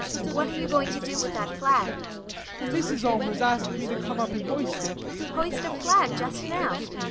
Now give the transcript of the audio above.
What are you going to do with that flag? BORGHEIM. Mrs. Allmers asked me to come up and hoist it. ASTA. Hoist a flag just now?